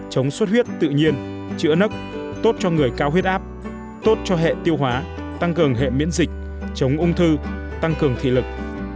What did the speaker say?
chống suất huyết tự nhiên chữa nức tốt cho người cao huyết áp tốt cho hệ tiêu hóa tăng cường hệ miễn dịch chống ung thư tăng cường thị lực